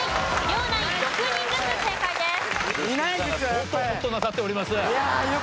相当ホッとなさっております。